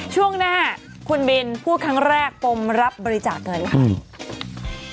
ช่วงหน้าคุณบินพูดครั้งแรกปมรับบริจาคเงินค่ะ